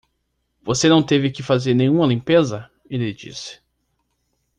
"Você não teve que fazer nenhuma limpeza?" ele disse.